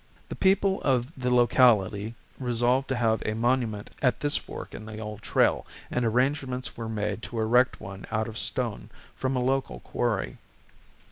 ] The people of the locality resolved to have a monument at this fork in the old trail, and arrangements were made to erect one out of stone from a local quarry.